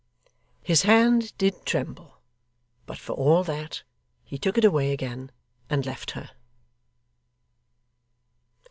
His hand DID tremble; but for all that, he took it away again, and left her.